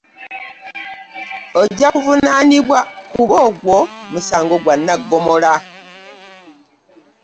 Ojja kuvunaanibwa kuba ogwo musango gwa nnaggomola.